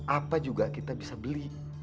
apa juga kita bisa beli